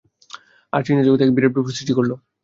তার চিন্তা জগতে এক বিরাট বিপ্লব সৃষ্টি করল।